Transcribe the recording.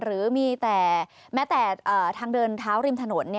หรือมีแต่แม้แต่ทางเดินเท้าริมถนน